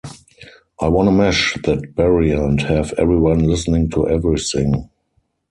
I wanna mash that barrier and have everyone listening to everything.